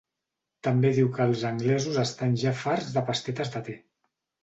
També diu que els anglesos estan ja farts de les pastetes de te.